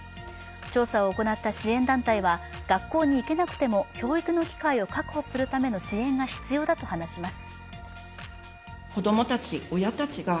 調査を行った支援団体は学校に行けなくても教育の機会を確保するための支援が必要だと話します。